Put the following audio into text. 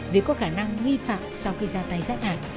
vì có khả năng nghi phạm sau khi ra tay sát hại